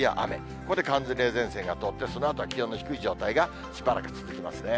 ここで寒冷前線が通って、そのあとは気温の低い状態がしばらく続きますね。